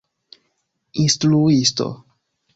instruisto